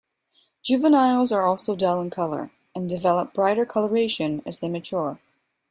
Juveniles are also dull in color and develop brighter coloration as they mature.